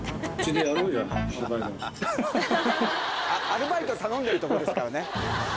アルバイト頼んでるとこですからね。